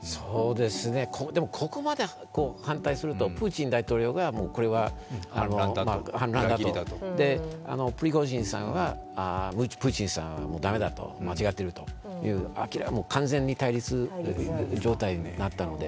でもここまで反対すると、プーチン大統領がこれは反乱だと、プリゴジンさんはプーチンさんはもう駄目だと、間違ってると完全に対立状態になったので。